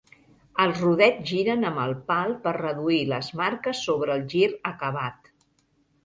Els rodets giren amb el pal per reduir les marques sobre el gir acabat.